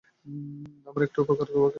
আমার একটি উপকার তোমাকে করতেই হবে।